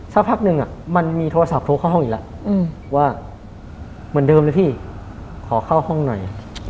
สักพักหนึ่งมันมีโทรศัพท์โทรเข้าห้องอีกแล้วว่าเหมือนเดิมเลยพี่ขอเข้าห้องหน่อย